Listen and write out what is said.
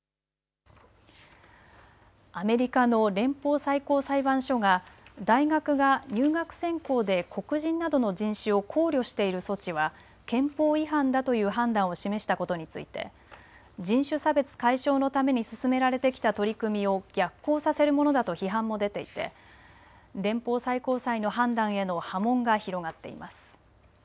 アメリカの連邦最高裁判所が大学が入学選考で黒人などの人種を考慮している措置は憲法違反だという判断を示したことについて人種差別解消のために進められてきた取り組みを逆行させるものだと批判も出ていて連邦最高裁の判断への波紋が広がっています。